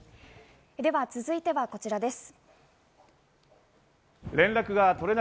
続いてはこちらです。